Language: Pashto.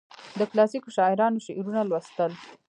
د کلاسیکو شاعرانو شعرونه لوستل.